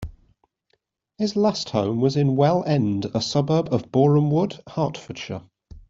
His last home was in Well End, a suburb of Borehamwood, Hertfordshire.